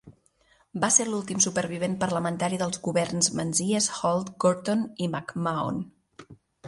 Va ser l'últim supervivent parlamentari dels governs Menzies, Holt, Gorton i McMahon.